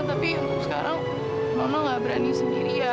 tapi untuk sekarang mama gak berani sendiri ya